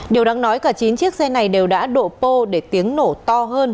điều đáng nói cả chín chiếc xe này đều đã độ pô để tiếng nổ to hơn